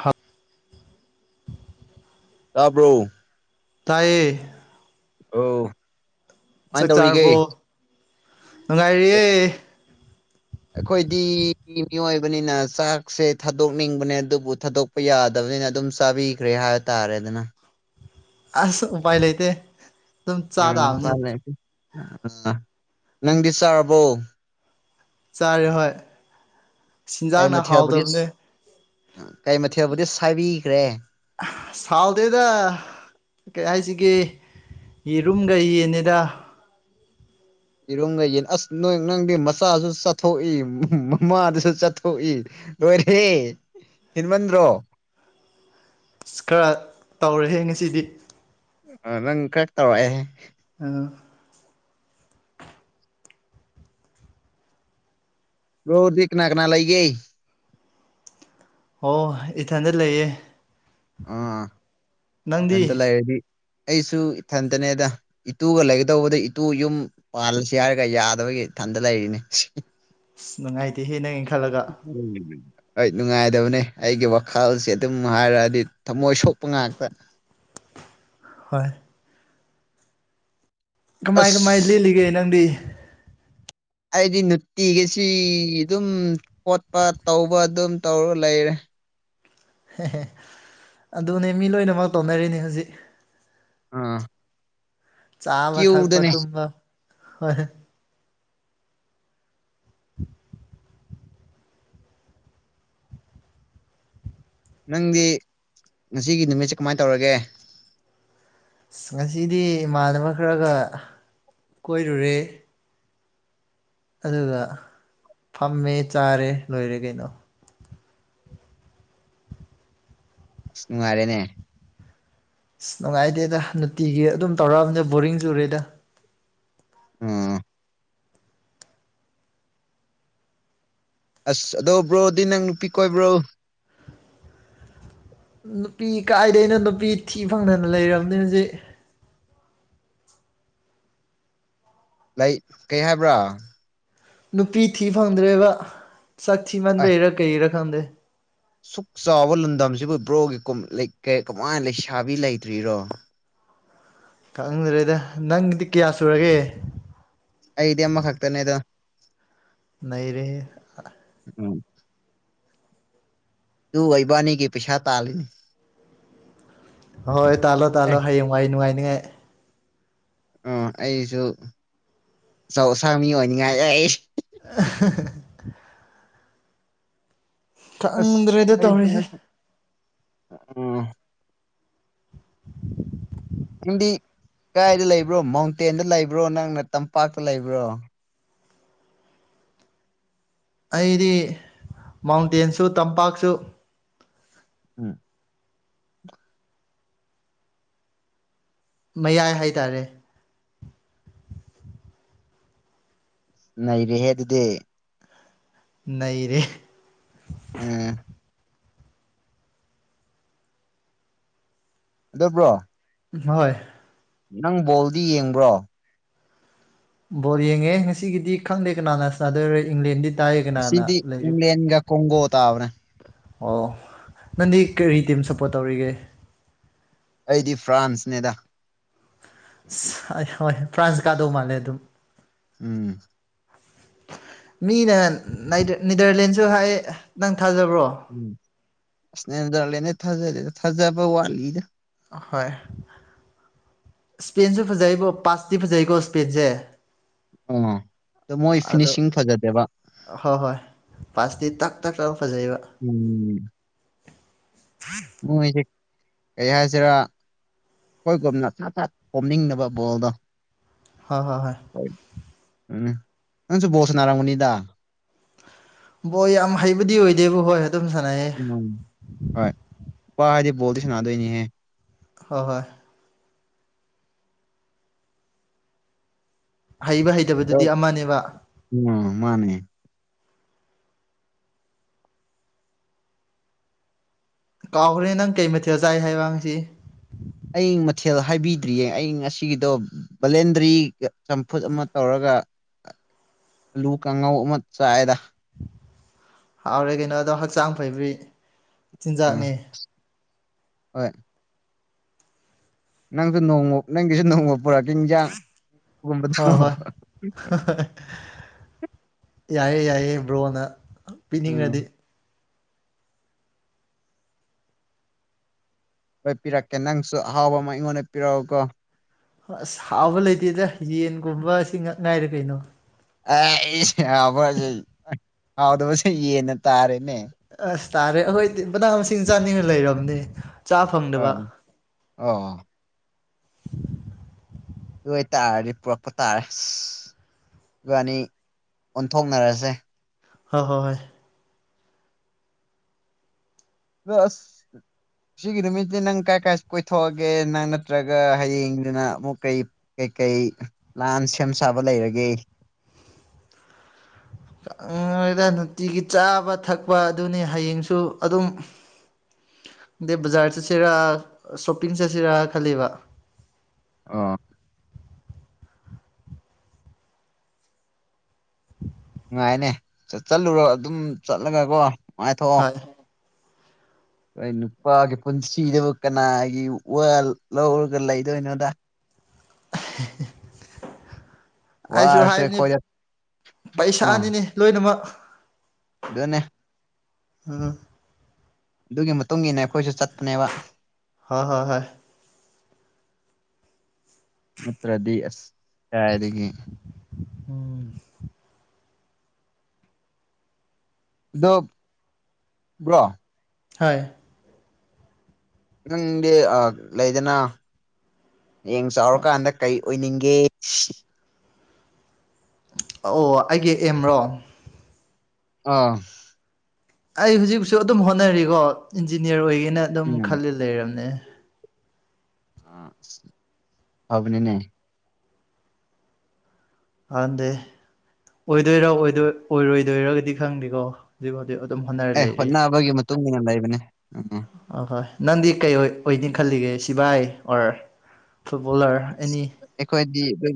half ꯇꯥꯕ꯭ꯔꯣ ꯇꯌꯦ ꯑ ꯆꯥꯛ ꯆꯥꯔꯕꯣ ꯅꯨꯡꯉꯥꯏꯔꯤꯌꯦꯦ ꯑꯩꯈꯣꯏꯗꯤ ꯃꯤꯑꯣꯏꯕꯅꯤꯅ ꯆꯥꯛꯁꯦ ꯊꯥꯗꯣꯛꯅꯤꯡꯕꯅꯦ ꯑꯗꯨꯕꯨ ꯊꯥꯗꯣꯛꯄ ꯌꯥꯗꯕ ꯑꯗꯨꯅ ꯑꯗꯨꯝ ꯆꯥꯕꯤꯈ꯭ꯔꯦ ꯍꯥꯏꯕ ꯇꯥꯔꯦꯗꯅ ꯑꯁꯣ ꯄꯥꯏ ꯂꯩ ꯏꯇꯦ ꯑꯗꯨꯝ ꯆꯥꯗꯥ ꯍꯥꯕ ꯅ ꯑ ꯅꯪꯗꯤ ꯆꯥꯔꯕꯣ ꯆꯥꯔꯦ ꯍꯣꯏ ꯀꯩ ꯆꯤꯟꯖꯥꯛꯅ ꯃꯊꯦꯜꯕꯨꯗꯤ ꯍꯥꯎꯗꯕꯅꯦ ꯀꯩ ꯃꯊꯦꯜꯕꯨꯗꯤ ꯁꯥꯕꯤꯈ꯭ꯔꯦ ꯁꯥꯎꯗꯩꯗ ꯀꯩ ꯍꯥꯏꯁꯤꯒꯦ ꯏꯔꯨꯝꯒ ꯌꯦꯅꯤꯗ ꯏꯔꯨꯝꯒ ꯌꯦꯟ ꯑꯁ ꯅꯣꯏ ꯅꯪꯗꯤ ꯃꯆꯥꯁꯨ ꯆꯠꯊꯣꯛꯏ ꯃꯃꯥꯗꯨꯁꯨ ꯆꯠꯊꯣꯛꯏ ꯂꯣꯏꯔꯦ ꯏꯟꯃꯟ꯭ꯔꯣ ꯑꯁ ꯈꯔ ꯇꯧꯔꯦꯍꯦ ꯉꯁꯤꯗꯤ ꯑ ꯅꯪ ꯀ ꯇꯋꯥꯏꯦ ꯑ ꯔꯗꯤ ꯀꯅꯥ ꯀꯅꯥ ꯂꯩꯌꯦ ꯑꯣ ꯏꯊꯟꯗ ꯂꯩꯌꯦꯦ ꯑ ꯐꯇꯂ ꯑꯦꯗꯤ ꯑꯩꯁꯨ ꯏꯊꯟꯇꯅꯦꯗ ꯏꯇꯨꯒ ꯂꯩꯒꯗꯧꯕꯗ ꯏꯇꯨ ꯌꯨꯝ ꯄꯥꯜꯂꯁꯤ ꯍꯥꯏꯔꯒ ꯌꯥꯗꯕ ꯊꯗꯗ ꯍꯥꯏꯅꯦ ꯅꯪꯥꯏꯇ ꯍ ꯅꯪ ꯈꯜꯂꯒ ꯎꯝ ꯍꯣꯏ ꯅꯨꯡꯉꯥꯏꯗꯕꯅꯤ ꯑꯩꯒꯤ ꯋꯥꯈꯜꯁꯦ ꯑꯗꯨꯝ ꯍꯥꯏꯔꯛꯑꯗꯤ ꯊꯝꯃꯣꯏ ꯁꯣꯛꯄ ꯉꯥꯛꯇꯅꯦ ꯍꯣꯏ ꯀꯃꯥꯏ ꯑꯁ ꯀꯃꯥꯏ ꯂꯤꯜꯂꯤꯒꯦ ꯅꯪꯗꯤ ꯑꯩꯗꯤ ꯅꯨꯡꯇꯤꯒꯤꯁꯤ ꯑꯗꯨꯝ ꯈꯣꯠꯄ ꯇꯧꯕ ꯑꯗꯨꯝ ꯇꯧꯔꯒ ꯂꯩꯔ ꯍ ꯑꯗꯨꯅꯦ ꯃꯤ ꯂꯣꯏꯅꯃꯛ ꯇꯧꯅꯔꯤꯅꯤ ꯍꯧꯖꯤꯛ ꯑꯥ ꯆꯥꯕ ꯊꯛꯄ ꯀ꯭ꯌꯨꯗꯅꯦ ꯇꯨꯝꯕ ꯍꯣꯏ ꯅꯪꯗꯤ ꯉꯁꯤꯒꯤ ꯅꯨꯃꯤꯠꯁꯦ ꯀꯃꯥꯏ ꯇꯧꯔꯒꯦ ꯉꯁꯤꯗꯤ ꯏꯃꯥꯟꯅꯕ ꯈꯔꯒ ꯀꯣꯏꯔꯨꯔꯦ ꯑꯗꯨꯒ ꯐꯝꯃꯦ ꯆꯥꯔꯦ ꯂꯣꯏꯔꯦ ꯀꯩꯅꯣ ꯑꯁ ꯅꯨꯡꯉꯥꯏꯔꯦꯅꯦ ꯑꯁ ꯅꯨꯡꯉꯥꯏꯇꯦꯗ ꯅꯨꯡꯇꯤꯒꯤ ꯑꯗꯨꯝ ꯇꯧꯔꯛꯑꯕꯅꯤꯗ ꯕꯣꯔꯤꯡꯁꯨꯨꯔꯦꯗ ꯑ ꯑꯁ ꯑꯗꯣ ꯕ꯭ꯔꯣꯗꯤ ꯅꯪ ꯅꯨꯄꯤ ꯀꯣꯏꯕ꯭ꯔꯣ ꯅꯨꯄꯤ ꯀꯥꯏꯗꯒꯤꯅꯣ ꯅꯨꯄꯤ ꯊꯤ ꯐꯪꯗꯅ ꯂꯩꯔꯕꯅꯤ ꯍꯧꯖꯤꯛ ꯂꯩ ꯀꯩ ꯍꯥꯏꯕ꯭ꯔꯥ ꯅꯨꯄꯤ ꯊꯤ ꯐꯪꯗ꯭ꯔꯦꯕ ꯆꯛ ꯑ ꯊꯤꯃꯟꯕꯩꯔꯥ ꯀꯩꯔꯥ ꯈꯪꯗꯦ ꯁꯨꯛ ꯆꯥꯎꯕ ꯂꯝꯗꯝꯁꯤꯕꯨ ꯕ꯭ꯔꯣꯒꯤ ꯀꯃꯥꯏ ꯂꯩꯁꯥꯕꯤ ꯂꯩꯇ꯭ꯔꯤꯔꯣ ꯈꯪꯗ꯭ꯔꯦꯗ ꯅꯪꯒꯤꯗꯤ ꯀꯌꯥ ꯁꯨꯔꯒꯦ ꯑꯩꯗꯤ ꯑꯃꯈꯛꯇꯅꯦ ꯑꯗ ꯅ ꯔꯦ ꯎꯝ ꯑꯗꯨ ꯑꯣꯏꯕꯥꯅꯤꯒꯤ ꯄꯩꯁꯥ ꯇꯥꯜꯂꯤꯅꯤ ꯍꯣꯏ ꯇꯥꯜꯂꯣ ꯇꯥꯜꯂꯣ ꯍꯌꯦꯡ ꯋꯥꯏ ꯅꯨꯡꯉꯥꯏꯅꯤꯉꯥꯏ ꯑ ꯑꯩꯁꯨ ꯑꯧ ꯑꯁꯥꯡ ꯃꯤ ꯑꯣꯏꯅꯤꯡꯉꯥꯏ ꯑꯩ ꯑ ꯈꯛꯗ꯭ꯔꯦꯗ ꯇꯧꯔꯤꯁꯦ ꯑ ꯅꯪꯗꯤ ꯀꯥꯏꯗ ꯂꯩꯕ꯭ꯔꯣ ꯃꯥꯎꯟꯇꯦꯟꯗ ꯂꯩꯕ꯭ꯔꯣ ꯅꯪꯅ ꯇꯝꯄꯥꯛꯇ ꯂꯩꯕ꯭ꯔꯣ ꯑꯩꯗꯤ ꯃꯥꯎꯟꯇꯦꯟꯁꯨ ꯇꯝꯄꯥꯛꯁꯨ ꯎꯝ ꯃꯌꯥꯏ ꯍꯥꯏꯇꯥꯔꯦ ꯅꯔꯤꯍꯦ ꯑꯗꯨꯗꯤ ꯅꯩꯔꯦ ꯎꯝ ꯑꯗꯨꯕ꯭ꯔꯣ ꯍꯣꯏ ꯅꯪ ꯕꯣꯜꯗꯤ ꯌꯦꯡꯕ꯭ꯔꯣ ꯕꯣ ꯌꯦꯡꯉꯦ ꯉꯁꯤꯒꯤꯗꯤ ꯈꯪꯗꯦ ꯀꯅꯥꯅ ꯆꯥꯟꯗꯣꯏꯔꯦ ꯏꯪꯂꯦꯟꯗꯤ ꯇꯥꯏꯌꯦ ꯁꯤꯗꯤ ꯀꯅꯥꯅ ꯂꯩꯔꯤ ꯏꯪ꯭ꯂꯦꯟꯒ ꯀꯣꯡꯒꯣ ꯇꯔꯦ ꯑꯣ ꯅꯪꯗꯤ ꯀꯔꯤ ꯇꯤꯝ ꯁꯞꯄꯣꯔꯠ ꯇꯧꯔꯤꯒꯦ ꯑꯩꯗꯤ ꯐ꯭ꯔꯥꯟꯁꯅꯦꯗ ꯑꯁ ꯍꯣꯏ ꯐ꯭ꯔꯥꯟꯁ ꯀꯥꯗꯧ ꯃꯥꯜꯂꯦ ꯑꯗꯨꯝ ꯎꯝ ꯃꯤꯅ ꯅꯤꯗꯔꯂꯦꯟꯁꯨ ꯍꯥꯏ ꯅꯪ [unintelligible] ꯎꯝꯅꯦꯟꯖꯂꯦꯅꯦ ꯊꯥꯖꯔꯦꯗ ꯊꯥꯖꯕ ꯋꯥꯠꯂꯤꯗ ꯍꯣꯏ ꯏꯁꯄꯦꯟꯁꯨ ꯐꯖꯩꯕꯣ ꯄꯥꯁꯇꯤ ꯐꯖꯩꯀꯣ ꯏꯁꯄꯦꯟꯁꯦ ꯑꯥ ꯑꯗꯣ ꯃꯣꯏ ꯑꯗꯣ ꯐꯤꯅꯤꯁꯤꯡ ꯐꯖꯗꯦꯕ ꯍ ꯍꯣꯏ ꯄꯥꯁꯇꯤ ꯇꯛ ꯇꯛ ꯇꯅ ꯐꯖꯩꯕ ꯑꯣ ꯀꯩ ꯍꯥꯏꯁꯤꯔꯥ ꯑꯩꯈꯣꯏꯒꯨꯝꯅ ꯊꯥꯠ ꯊꯥꯠ ꯀꯣꯝꯅꯤꯡꯅꯕ ꯕꯣꯜꯗꯣ ꯍꯣꯏ ꯍꯣꯏ ꯍꯣꯏ ꯎꯝ ꯍꯁ ꯕꯁꯅꯔꯝꯃꯅꯤꯗꯗꯥ ꯕꯣꯏ ꯌꯥꯝ ꯍꯩꯕꯗꯤ ꯑꯣꯏꯗꯦꯕ ꯍꯣꯏ ꯑꯗꯨꯝ ꯁꯥꯟꯅꯩꯌꯦ ꯎꯝ ꯍꯣꯏ ꯏꯄꯥ ꯍꯥꯏꯗꯤ ꯕꯣꯜꯗꯤ ꯁꯥꯟꯅꯥꯗꯣꯏꯅꯤꯍꯦ ꯍꯣꯏ ꯍꯣꯏ ꯍꯩꯕ ꯑꯣ ꯍꯩꯇꯕꯗꯨꯗꯤ ꯑꯃꯅꯦꯕ ꯎꯝ ꯃꯥꯅꯦ ꯀꯥꯎꯈ꯭ꯔꯦ ꯅꯪ ꯀꯩ ꯃꯊꯦꯜ ꯆꯥꯏ ꯍꯥꯏꯕꯁꯤ ꯑꯌꯤꯡ ꯃꯊꯦꯜ ꯍꯥꯏꯕꯤꯗ꯭ꯔꯤꯌꯦ ꯑꯌꯤꯡꯁꯤꯗꯣ ꯕꯂꯦꯟꯗ꯭ꯔꯤꯒ ꯆꯝꯐꯨꯠ ꯑꯃ ꯇꯧꯔꯒ [unintelligible] ꯑꯂꯨ ꯀꯥꯡꯉꯧ ꯑꯃ ꯆꯥꯏꯗ ꯍꯥꯎꯔꯦ ꯀꯩꯅꯣ ꯑꯗꯣ ꯍꯛꯆꯥꯡ ꯐꯩꯕ ꯎꯝ ꯆꯤꯟꯖꯥꯛꯅꯤ ꯍꯣꯏ ꯅꯪꯁꯨ ꯅꯣꯡꯉ ꯅꯪꯁꯨ ꯅꯣꯡꯉ ꯄꯨꯣꯔꯥ ꯀꯤꯡꯖꯥꯡꯨꯝꯕꯗꯣ ꯍꯣꯏ ꯍꯣꯏ ꯌꯥꯏꯑꯦ ꯌꯥꯏꯌꯦꯦ ꯕ꯭ꯔꯣꯅ ꯎꯝ ꯄꯤꯅꯤꯡꯉꯗꯤ ꯍꯣꯏ ꯄꯤꯔꯛꯀꯦ ꯅꯪꯁꯨ ꯑꯍꯥꯎꯕ ꯑꯃ ꯑꯩꯉꯣꯟꯗ ꯄꯤꯔꯛꯎꯀꯣ ꯑꯁ ꯍꯥꯎꯕ ꯂꯩꯇꯦꯗ ꯌꯦꯟꯒꯨꯝꯕ ꯑꯁꯤ ꯉꯛ ꯉꯥꯏꯔꯦ ꯀꯩꯅꯣ ꯑꯩ ꯑꯩꯁꯦ ꯍꯥꯎꯕꯁꯩ ꯍꯥꯎꯗꯕꯁꯦ ꯌꯦꯦꯟꯅ ꯇꯥꯔꯦꯅꯦ ꯑꯪ ꯑꯁ ꯇꯥꯔꯦ ꯑꯩꯈꯣꯏꯗꯤ ꯃꯅꯥ ꯃꯁꯤꯡ ꯆꯥꯅꯤꯡꯉ ꯂꯩꯔꯕꯅꯦ ꯆꯥ ꯑ ꯐꯪꯗꯕ ꯑ [unintelligible] ꯍꯣꯏ ꯇꯥꯔꯗꯤ ꯄꯨꯔꯛꯄ ꯇꯥꯔꯦ ꯑꯗꯨꯒ ꯑꯅꯤ ꯑꯣꯟꯊꯣꯛꯅꯔꯁꯦ ꯍ ꯍꯣꯏ ꯍꯣꯏ ꯑꯁ ꯁꯤꯒꯤ ꯅꯨꯃꯤꯠꯇꯤ ꯅꯪ ꯀꯥꯏ ꯀꯥꯏ ꯀꯣꯏꯊꯣꯛꯑꯒꯦ ꯅꯪ ꯅꯠꯇ꯭ꯔꯒ ꯍꯌꯦꯡꯗꯨꯅ ꯑꯃꯨꯛ ꯀꯩ ꯀꯩ ꯂꯥꯟ ꯁꯦꯝ ꯁꯥꯕ ꯂꯩꯔꯒꯦ [unintelligible] ꯗ ꯅꯨꯡꯇꯤꯒꯤ ꯆꯥꯕ ꯊꯛꯄ ꯑꯗꯨꯅꯤ ꯍꯌꯦꯡꯁꯨ ꯑꯗꯨꯝ ꯑꯗꯩ ꯕꯖꯥꯔ ꯆꯠꯁꯤꯔ ꯁꯣꯞꯄꯤꯡ ꯆꯠꯁꯤꯔꯥ ꯈꯜꯂꯤꯕ ꯑ ꯅꯨꯡꯉꯥꯏꯅꯦ ꯆꯠꯂꯨꯔꯣ ꯑꯗꯨꯝ ꯆꯠꯂꯒ ꯀꯣ ꯅꯨꯡꯉꯥꯏꯊꯣꯛꯑꯣ ꯍꯣꯏ ꯑꯩꯈꯣꯏ ꯅꯨꯄꯥꯒꯤ ꯄꯨꯟꯁꯤꯗꯕꯨ ꯀꯅꯥꯒꯤ ꯋꯥ ꯂꯧꯔꯒ ꯂꯩꯗꯣꯏꯅꯣꯗ [inaudible] ꯑꯩꯁꯨ ꯋꯥꯔꯁꯨ ꯍꯥꯏꯕꯅꯤ ꯑꯩꯈꯣꯏꯗ ꯄꯩꯁꯥꯅꯤꯅꯤ ꯂꯣꯏꯅꯃꯛ ꯑꯗꯨꯅꯦꯦ ꯑꯝ ꯑꯗꯨꯒꯤ ꯃꯇꯨꯡ ꯏꯟꯅ ꯑꯩꯈꯣꯏꯁꯨ ꯆꯠꯄꯅꯦꯕ ꯍꯥ ꯍ ꯍꯥꯏ ꯃꯇ꯭ꯔꯗꯤ ꯑꯥꯏꯒ ꯎꯝ ꯗ ꯕ꯭ꯔꯣ ꯍꯣꯏ ꯈꯤꯇꯪꯗꯤ ꯂꯩꯗꯅ ꯌꯦꯡ ꯆꯥꯎꯔꯀꯥꯟꯗ ꯀꯩ ꯑꯣꯏꯅꯤꯡꯒꯦ ꯑꯣ ꯑꯣ ꯑꯩꯒꯤ ꯑꯦꯝ꯭ꯔꯣ ꯑꯥ ꯑꯩ ꯍꯧꯖꯤꯛꯁꯨ ꯑꯗꯨꯝ ꯍꯣꯠꯅꯔꯤꯀꯣ ꯏꯟꯖꯤꯅꯤꯌꯔ ꯑꯣꯏꯒꯦꯅ ꯑꯗꯨꯝ ꯎꯝ ꯈꯜꯂ ꯂꯩꯔꯕꯅꯦ ꯑ ꯐꯕꯅꯤꯅꯦ ꯍꯥꯟꯗꯦ ꯑꯣꯏꯗꯣꯏꯔ ꯑꯣꯏꯔꯣꯏꯗꯣꯏꯔꯒꯗꯤ ꯈꯪꯗꯦꯀꯣ ꯍꯧꯖꯤꯛꯐꯥꯎꯗꯤ ꯑꯦ ꯍꯣꯠꯅꯕꯒꯤ ꯃꯇꯨꯡ ꯏꯟꯅ ꯂꯩꯕꯅꯦ ꯎꯝ ꯑꯍꯣꯏ ꯅꯪꯗꯤ ꯀꯩ ꯑꯣꯏꯅꯤ ꯈꯜꯂꯤꯒꯦ ꯁꯤꯚꯥꯏ ꯑꯣꯔꯔ ꯐꯨꯠꯕꯣꯂꯔ ꯑꯦꯅꯤ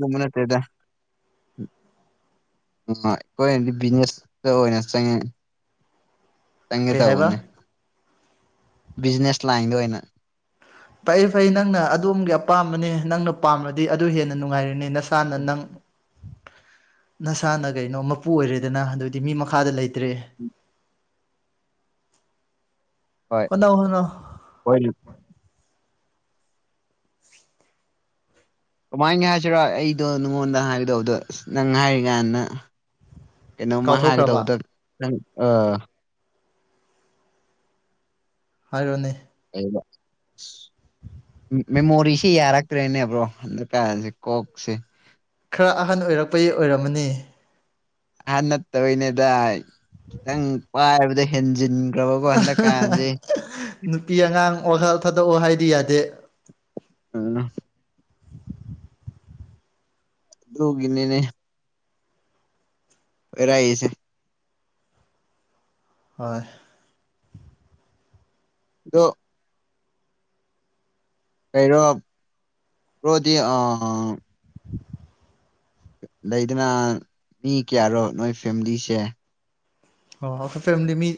ꯒ ꯃꯅꯦꯠꯇꯗ ꯑ ꯑꯩꯈꯣꯏꯗꯤ ꯕꯤꯖꯤꯅꯦꯁꯇ ꯑꯣꯏꯅ ꯆꯪꯉꯦ ꯆꯪꯒꯦ ꯀꯩ ꯍꯥꯏꯕ ꯇꯧꯕꯅꯦ ꯕꯤꯖꯤꯅꯦꯁ ꯂꯥꯏꯟꯗ ꯑꯣꯏꯅ ꯐꯩ ꯐꯩ ꯅꯪꯅ ꯑꯗꯣꯝꯒꯤ ꯑꯄꯥꯝꯕꯅꯦ ꯅꯪꯅ ꯄꯥꯝꯃꯗꯤ ꯑꯗꯨ ꯍꯦꯟꯅ ꯅꯨꯡꯉꯥꯏꯔꯅꯤ ꯅ ꯏꯁꯥꯅ ꯅꯪ ꯅꯁꯥꯅ ꯀꯩꯅꯣ ꯃꯄꯨ ꯑꯣꯏꯔꯦꯗꯅ ꯑꯗꯨꯗꯤ ꯃꯤ ꯃꯈꯥꯗ ꯂꯩꯇ꯭ꯔꯦ [inaudible] ꯍꯣꯏ ꯀꯅ ꯍꯅꯣ ꯍꯣꯏ ꯀꯃꯥꯏꯅꯒ ꯍꯥꯏꯁꯤꯔꯣ ꯑꯩꯗꯣ ꯅꯉꯣꯟꯗ ꯍꯥꯏꯕꯗꯧꯕꯗꯣ ꯅꯪ ꯍꯥꯏꯔꯤ ꯀꯥꯟꯅ ꯀꯩꯅꯣꯝꯃ ꯀꯥꯎꯊꯣꯛꯈ꯭ꯔꯕ ꯍꯥꯏꯒꯗꯧꯗ ꯑ ꯍꯥꯏꯔꯣꯅꯦ [inaudible] ꯃꯦꯃꯣꯔꯤꯁꯤ ꯌꯥꯔꯛꯇ꯭ꯔꯦꯅꯦꯕ꯭ꯔꯣ ꯍꯟꯗꯛꯀꯁꯦ ꯀꯣꯛꯁꯦ ꯈꯔ ꯑꯍꯟ ꯑꯣꯏꯔꯛꯄꯩ ꯑꯣꯏꯔꯝꯃꯅꯤ ꯑꯍꯟ ꯅꯠꯇꯧꯔꯤꯅꯦꯗ ꯈꯤꯇꯪ ꯄꯥꯏꯕꯗ ꯍꯦꯟꯖꯤꯟ ꯅꯨꯄꯤ ꯑꯉꯥꯡ ꯋꯥꯈ ꯊꯥꯗꯣꯛꯑꯣ ꯍꯥꯏꯗꯤ ꯌꯥꯗꯦ ꯑꯅ ꯂ ꯏꯅꯦꯅꯦ ꯔꯑꯁꯦ ꯍꯣꯏ ꯗꯣ ꯀꯔꯣ ꯄꯣꯗꯤ ꯑ ꯂꯩꯗꯅ ꯃꯤ ꯀꯌꯥꯔꯣ ꯅꯣꯏ ꯐꯦꯃꯤꯂꯤꯁꯦ ꯑꯣ ꯑꯩꯈꯣꯏ ꯐꯦꯃꯤꯂꯤ ꯃꯤ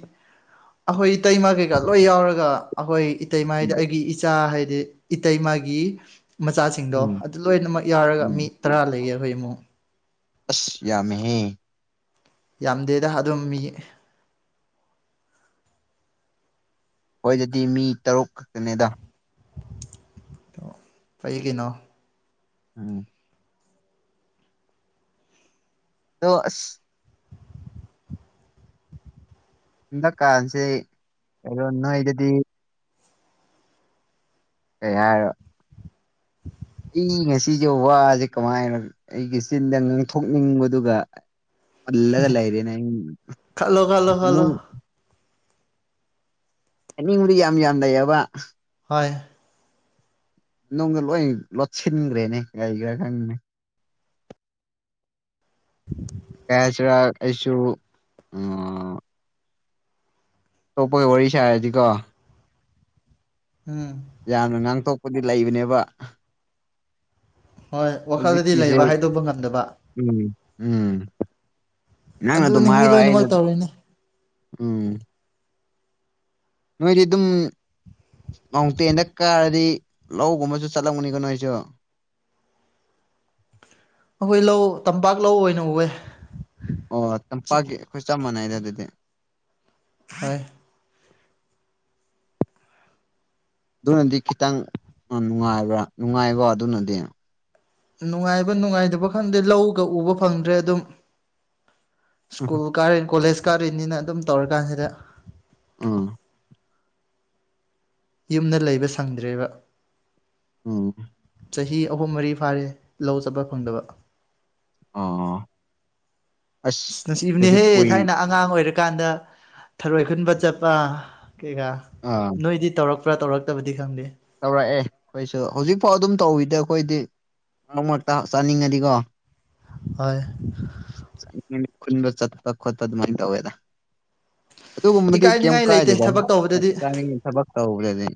ꯑ ꯍꯣꯏ ꯏ ꯇꯏ ꯃꯥꯒꯦꯒꯗ ꯂꯣꯏ ꯌꯥꯎꯔꯒ ꯑꯩꯈꯣꯏ ꯏꯇꯩꯃꯥꯏꯗꯤ ꯑꯩꯒꯤ ꯏꯆꯥ ꯍꯥꯏꯗꯤ ꯏꯇꯩꯃꯒꯤ ꯃꯆꯥꯁꯤꯡꯗꯣ ꯎꯝ ꯑꯗꯨ ꯂꯣꯏꯅꯃꯛ ꯌꯥꯎꯔꯒ ꯃꯤ ꯎꯝ ꯇꯔꯥ ꯂꯩꯌꯦꯦ ꯑꯩꯈꯣꯏ ꯏꯃꯨꯡꯛ ꯑꯁ ꯌꯥꯃꯍꯍꯤ ꯌꯥꯝꯗꯦꯗ ꯑꯗꯨꯝ ꯃꯤ ꯍꯣꯏꯗꯗꯤ ꯃꯤ ꯇꯔꯨꯛ ꯈꯛꯇꯅꯦꯗ ꯐꯩ ꯀꯩꯅꯣ ꯎꯝ ꯗꯁ ꯍꯟꯗꯛꯀꯥꯟꯁꯦ ꯀꯗꯣ ꯅꯣꯏꯗꯗꯤ ꯑꯦ ꯌꯥꯔ ꯑꯩ ꯉꯁꯤꯁꯦ ꯋꯥꯁꯦ ꯀꯃꯥꯏꯅ ꯑꯩꯒꯤ ꯆꯤꯟꯗ ꯉꯥꯡꯊꯣꯛꯅꯤꯡꯕꯗꯨꯒ ꯍꯂꯒꯂꯔꯤꯅ ꯈꯜꯂꯣ ꯈꯜꯂꯣ ꯈꯜꯂꯣ ꯑꯅꯤ ꯍꯗꯤ ꯌꯥꯝ ꯌꯥꯝꯗꯥꯩꯌꯦꯕ ꯍꯣꯏ ꯅꯨꯡꯗ ꯂꯣꯏ ꯂꯣꯠꯁꯤꯟꯈ꯭ꯔꯦꯅꯦ ꯀꯔꯤꯈ꯭ꯔꯥ ꯈꯪꯅꯦ ꯎꯝ ꯀꯌꯥꯆꯔ ꯀꯁꯨꯁꯨ ꯎꯝ ꯇꯣꯛꯞꯄꯒꯤ ꯋꯥꯔꯤ ꯁꯥꯔꯗꯤꯀꯣ ꯎꯝ ꯌꯥꯝꯅ ꯉꯥꯡ ꯇꯣꯛ ꯗꯤ ꯂꯩꯕꯅꯦꯕ ꯍꯣꯏ ꯋꯥꯈꯜꯗꯗꯤ ꯍꯧꯖꯤꯛꯀꯤꯁꯦ ꯂꯩꯕ ꯍꯥꯏꯗꯣꯛꯄ ꯉꯝꯗꯕ ꯎꯝ ꯎꯝ ꯅꯪꯅ ꯑꯗꯨꯝ ꯑꯗꯨꯅꯤ ꯃꯤ ꯍꯥꯏꯔ ꯑꯩꯅ ꯂꯣꯏꯅꯃꯛ ꯇꯧꯔꯤꯅꯤ ꯎꯝ ꯃꯣꯏꯔꯤ ꯑꯗꯨꯝ ꯃꯥꯎꯟꯇꯦꯟꯗ ꯀꯥꯔꯗꯤ ꯂꯧꯒꯨꯝꯕꯁꯨ ꯆꯠꯂꯝꯒꯅꯤꯀ ꯅꯣꯏꯁꯨ ꯑꯩꯈꯣꯏ ꯂꯧ ꯇꯝꯄꯥꯛ ꯂꯧ ꯑꯣꯏꯅ ꯎꯋꯦ ꯑꯣ ꯇꯝꯄꯥꯛꯀꯤ ꯑꯩꯈꯣꯏ ꯆꯞ ꯃꯥꯟꯅꯏꯗ ꯑꯗꯨꯗꯤ ꯍꯣꯏ ꯑꯗꯨꯅꯗꯤ ꯈꯤꯇꯪ ꯅꯨꯡꯉꯥꯏꯕ꯭ꯔꯥ ꯅꯨꯡꯉꯥꯏꯕꯣ ꯑꯗꯨꯅꯗꯤ ꯅꯨꯡꯉꯥꯏꯕ ꯅꯨꯡꯉꯥꯏꯇꯕ ꯈꯪꯗꯦ ꯂꯧꯒ ꯎꯕ ꯐꯪꯗ꯭ꯔꯦ ꯑꯗꯨꯝ ꯁ꯭ꯀꯨꯜ ꯀꯥꯔꯤꯅꯤ ꯀꯣꯂꯦꯖ ꯀꯥꯔꯛꯏꯅꯤꯅ ꯑꯗꯨꯝ ꯇꯧꯔꯀꯥꯟꯁꯤꯗ ꯑꯥ ꯌꯨꯝꯗ ꯂꯩꯕ ꯁꯪꯗ꯭ꯔꯦꯕ ꯑꯣ ꯆꯍꯤ ꯑꯍꯨꯝ ꯃꯔꯤ ꯐꯥꯔꯦ ꯂꯧ ꯆꯠꯄ ꯐꯪꯗꯕ ꯑꯥ ꯑ ꯅꯨꯡꯁꯤꯕꯅꯦꯍꯦ ꯊꯥꯏꯅ ꯑꯉꯥꯡ ꯑꯣꯏꯔꯀꯥꯟꯗ ꯊꯔꯣꯏ ꯈꯨꯟꯕ ꯆꯠꯄ ꯀꯩꯀꯥ ꯑꯥ ꯅꯣꯏꯗꯤ ꯇꯧꯔꯛꯄ꯭ꯔꯥ ꯇꯧꯔꯛꯇꯕꯗꯤ ꯈꯪꯗꯦ ꯇꯧꯔꯛꯑꯦ ꯑꯩꯈꯣꯏꯁꯨ ꯍꯧꯖꯤꯛꯐꯥꯎ ꯑꯗꯨꯝ ꯇꯧꯋꯤꯗ ꯑꯩꯈꯣꯏꯗꯤ ꯃꯔ ꯃꯔꯛꯇ ꯆꯥꯅꯤꯡꯉꯗꯤꯀꯣ ꯑꯣꯏ ꯆꯥꯅꯤꯡꯉꯗꯤ ꯈꯨꯟꯕ ꯆꯠꯄ ꯈꯣꯠꯄ ꯑꯗꯨꯃꯥꯏꯅ ꯇꯧꯋꯦꯗ ꯑꯗꯨꯒꯨꯝꯕꯅꯗꯤ ꯀꯩꯝ ꯏꯀꯥꯏꯅꯤꯡꯉꯥꯏ ꯂꯩꯇꯦ ꯀꯥꯏꯗꯦꯗ ꯊꯕꯛ ꯇꯧꯕꯗꯗꯤ ꯆꯥꯅꯤꯡꯉ ꯊꯕꯛ ꯇꯧꯕꯗꯗꯤ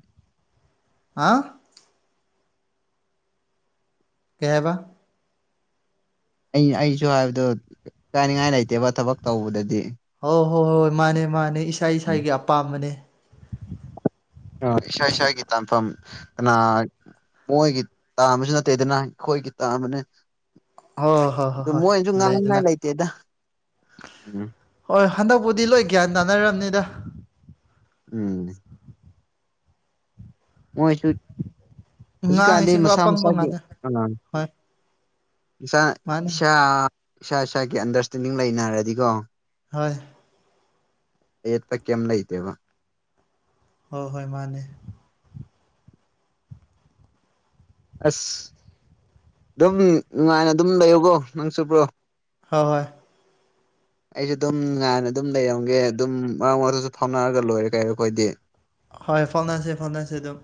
ꯍꯥꯥ ꯀꯦꯕ ꯑꯩ ꯑꯩꯁꯨ ꯍꯥꯏꯕꯗ ꯀꯥꯏꯅꯤꯡꯉꯥꯏ ꯂꯩꯇꯦꯕ ꯊꯕꯛ ꯇꯧꯕꯗꯗꯤ ꯍꯣꯏ ꯍꯣꯏ ꯍꯣꯏ ꯃꯥꯅꯦ ꯃꯥꯅꯦ ꯏꯁꯥ ꯏꯁꯥꯒꯤ ꯑꯄꯥꯝꯕꯅꯦ ꯏꯁ ꯏꯁꯒꯤ ꯇ ꯐꯝꯅꯥ ꯃꯣꯏꯒꯤ ꯇꯥꯝꯕꯁꯨ ꯅꯠꯇꯦꯗꯅ ꯑꯩꯈꯣꯏꯒꯤ ꯇꯥꯝꯕꯅꯦ ꯍꯣꯏ ꯍꯣꯏ ꯍꯣꯏ ꯍꯣꯏ ꯂꯩꯗꯅ ꯂꯩꯇꯦꯗ ꯎꯝ ꯍꯣꯏ ꯍꯟꯗꯛꯄꯨꯗꯤ ꯂꯣꯏ ꯒ꯭ꯌꯥꯟ ꯇꯥꯅꯔꯕꯅꯤꯗ ꯎꯝ ꯃꯣꯏꯁꯨ ꯍꯧꯖꯤꯛꯀꯥꯟꯗꯤ ꯉꯥꯡꯉꯤꯁꯤꯡꯗꯣ ꯃꯁꯥ ꯑꯄꯪꯕ ꯃꯁꯥꯒꯤ ꯉꯥꯛꯇ ꯑꯥ ꯍꯣꯏ ꯏꯁꯥ ꯃꯥꯅꯤ ꯏꯁꯥ ꯏꯁꯥ ꯏꯁꯥꯒꯤ ꯑꯟꯗꯔꯁꯇꯦꯟꯗꯤꯡ ꯂꯩꯅꯔꯗꯤꯀꯣ ꯍꯣꯏ ꯑꯦ ꯐ ꯀꯦꯝ ꯅꯏ ꯇꯕ ꯍꯣꯏ ꯍꯣꯏ ꯃꯥꯅꯦ ꯑꯁ ꯑꯗꯨꯝ ꯅꯨꯡꯉꯥꯏꯅ ꯑꯗꯨꯝ ꯂꯩꯌꯣꯀꯣ ꯅꯪ ꯆꯨꯞꯕ꯭ꯔꯣ ꯍꯣꯏ ꯍꯣꯏ ꯑꯩꯁꯨ ꯑꯗꯨꯝ ꯉꯥꯏꯅ ꯑꯗꯨꯝ ꯂꯩꯔꯝꯒꯦ ꯑꯗꯨꯝ ꯃꯔꯛ ꯃꯔꯁꯨ ꯐꯥꯎꯅꯔꯒ ꯂꯣꯏꯔꯦ ꯀꯩꯔꯣ ꯑꯩꯈꯣꯏꯗꯤ ꯍꯣꯏ ꯐꯣꯟ ꯑꯁꯦ ꯐꯣꯟꯁꯦ ꯑꯗꯨꯝ